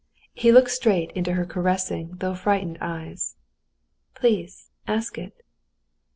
He looked straight into her caressing, though frightened eyes. "Please, ask it."